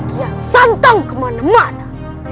kian santang kemana mana